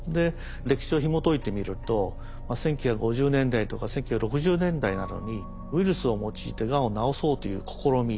歴史をひもといてみると１９５０年代とか１９６０年代などにウイルスを用いてがんを治そうという試み